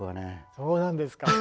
そうなんですか。